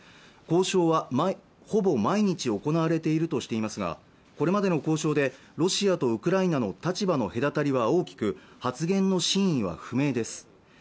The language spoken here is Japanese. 交渉はほぼ毎日行われているとしていますがこれまでの交渉でロシアとウクライナの立場の隔たりは大きく発言の真意は不明です